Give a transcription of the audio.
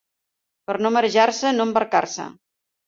Per no marejar-se, no embarcar-se.